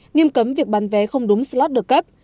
nghiêm cấm việc bán vé không đúng slot được cấp